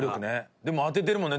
でも、当ててるもんね。